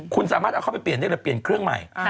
คุณสามารถเอาเข้าไปเปลี่ยนได้เลยเปลี่ยนเครื่องใหม่